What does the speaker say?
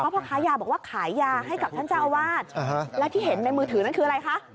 พ่อค้ายาบอกว่าขายยาให้กับท่านเจ้าอาวาสแล้วที่เห็นในมือถือนั่นคืออะไรคะ